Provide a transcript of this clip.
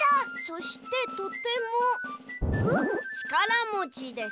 「そしてとてもちからもちです」。